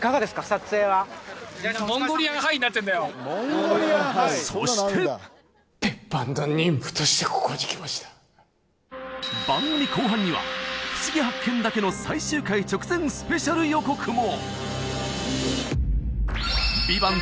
撮影はそして別班の任務としてここに来ました番組後半には「ふしぎ発見！」だけの最終回直前スペシャル予告も！